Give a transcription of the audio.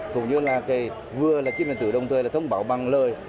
cũng như là cái vừa là kiếp điện tử đồng thời là thông báo bằng lời